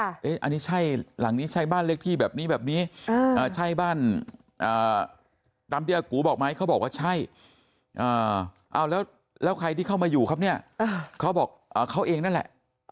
อันนี้ใช่หลังนี้ใช่บ้านเลขที่แบบนี้แบบนี้ใช่บ้านตามที่อากูบอกไหมเขาบอกว่าใช่เอาแล้วใครที่เข้ามาอยู่ครับเนี่ยเขาบอกเขาเองนั่นแหละ